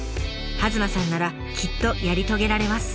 弭間さんならきっとやり遂げられます。